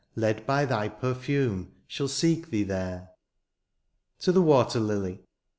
Led by thy perfume, shall seek thee there. TO THE WATER LILY.